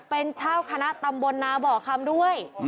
เป็นชาวคณะตำบลนาบอกคำด้วย